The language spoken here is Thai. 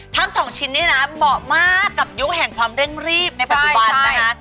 ทั้งสองชิ้นนี้นะเหมาะมากกับยุคแห่งความเร่งรีบในปัจจุบันนะคะ